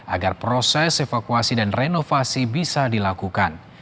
agar proses evakuasi dan renovasi bisa dilakukan